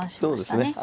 そうですね。